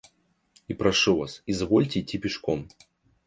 И прошу вас — извольте идти пешком.